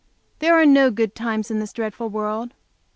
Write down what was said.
There are no good times in this dreadful world.